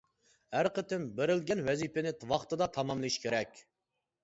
ھەر قېتىم بېرىلگەن ۋەزىپىنى ۋاقتىدا تاماملىشى كېرەك.